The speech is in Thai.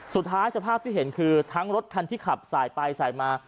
สภาพที่เห็นคือทั้งรถคันที่ขับสายไปสายมา